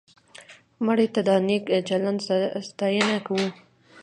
مړه ته د نیک چلند ستاینه کوو